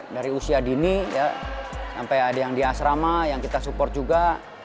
dari usia dini sampai ada yang di asrama yang kita support juga